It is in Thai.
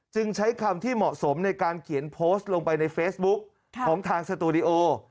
ใช้คำที่เหมาะสมในการเขียนโพสต์ลงไปในเฟซบุ๊กของทางสตูดิโอ